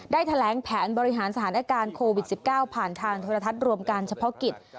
แถลงแผนบริหารสถานการณ์โควิด๑๙ผ่านทางโทรทัศน์รวมการเฉพาะกิจ